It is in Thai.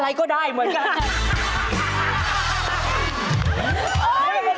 อะไรก็ได้เหมือนกัน